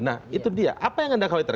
nah itu dia apa yang anda khawatir